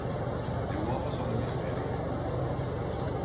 Le uova sono emisferiche.